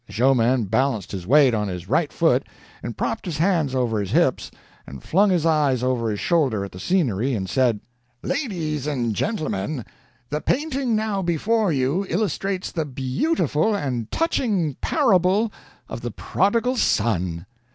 The showman balanced his weight on his right foot, and propped his hands over his hips, and flung his eyes over his shoulder at the scenery, and said: "'Ladies and gentlemen, the painting now before you illustrates the beautiful and touching parable of the Prodigal Son.